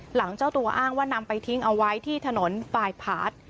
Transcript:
เจ้าตัวอ้างว่านำไปทิ้งเอาไว้ที่ถนนปลายพาร์ท